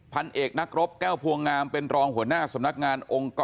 พันเอกนักรบแก้วพวงงามเป็นรองหัวหน้าสำนักงานองค์กร